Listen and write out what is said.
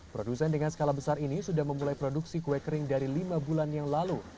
produsen dengan skala besar ini sudah memulai produksi kue kering dari lima bulan yang lalu